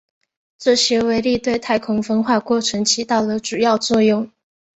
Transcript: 这些微粒对太空风化过程起到了主要作用。